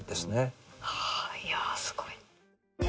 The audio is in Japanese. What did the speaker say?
いやぁすごい。